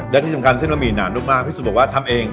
และที่สำคัญเส้นบะหมี่หนานมากพี่สุบอกว่าทำเอง